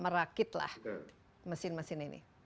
merekit lah mesin mesin ini